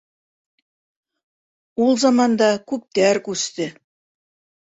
Ул заманда... күптәр күсте.